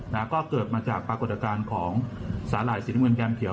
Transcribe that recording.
แล้วก็เกิดมาจากปรากฏการณ์ของสาหร่ายสีน้ำเงินแก้มเขียว